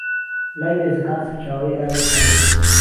لای گوێزهکان سهرچاوهی ئاو و کانی